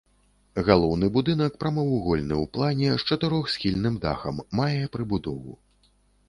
Галоўны будынак прамавугольны ў плане, з чатырохсхільным дахам, мае прыбудову.